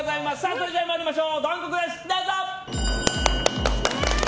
それでは、参りましょうドンココ、どうぞ。